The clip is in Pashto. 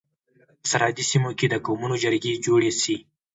په سرحدي سيمو کي د قومونو جرګي جوړي سي.